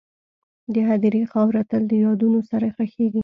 د هدیرې خاوره تل د یادونو سره ښخېږي..